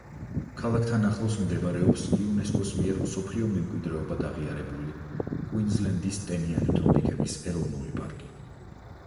ქალაქთან ახლოს მდებარეობს იუნესკოს მიერ მსოფლიო მემკვიდრეობად აღიარებული კუინზლენდის ტენიანი ტროპიკების ეროვნული პარკი.